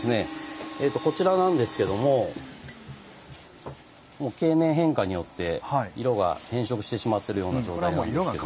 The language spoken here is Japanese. こちらなんですけども経年変化によって色が変色してしまっているような状態なんですけども。